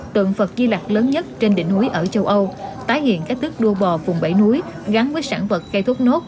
tượng phật di lạc lớn nhất trên đỉnh núi ở châu âu tái hiện các tước đua bò vùng bảy núi gắn với sản vật cây thuốc nốt